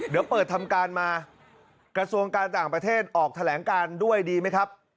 เดี๋ยวเปิดทำการมากระทรวงการต่างประเทศออกแถลงการด้วยดีไหมครับ